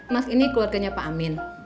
mas ini keluarganya pak amin